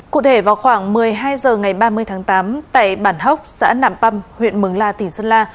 cụ thể vào khoảng một mươi hai h ngày ba mươi tháng tám tại bản hốc xã nạm păm huyện mường la tỉnh sơn la